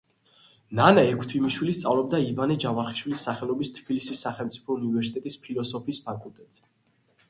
ნანა ექვთიმიშვილი სწავლობდა ივანე ჯავახიშვილის სახელობის თბილისის სახელმწიფო უნივერსიტეტის ფილოსოფიის ფაკულტეტზე.